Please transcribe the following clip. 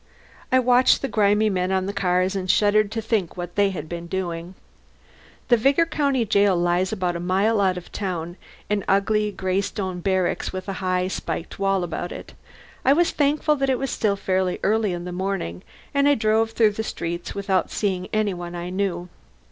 I watched the grimy men on the cars, and shuddered to think what they had been doing. The Vigor county jail lies about a mile out of the town, an ugly, gray stone barracks with a high, spiked wall about it. I was thankful that it was still fairly early in the morning, and I drove through the streets without seeing any one I knew.